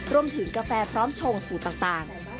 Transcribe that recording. รวมถึงกาแฟพร้อมชงสูตรต่าง